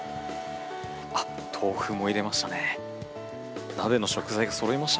あっ、豆腐も入れましたね。